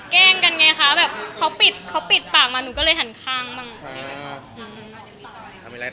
แกล้งกันไงคะเขาปิดปากมาหนูก็เลยหันข้างบ้าง